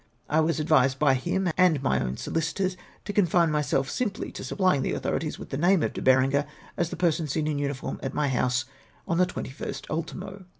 I was advised by him and my own solicitors to confine myself simply to supplying the authorities with the name of De Berenger as the person seen in uniform at my house on the 21st ultimo.